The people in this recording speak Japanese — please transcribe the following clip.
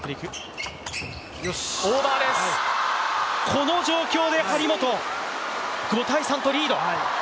この状況で張本、５−３とリード。